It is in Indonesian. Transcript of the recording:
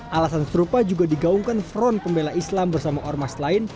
alasan serupa juga digaungkan front pembela islam bersama ormas lain